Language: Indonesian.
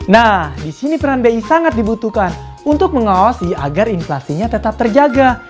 nah di sini peran bi sangat dibutuhkan untuk mengawasi agar inflasinya tetap terjaga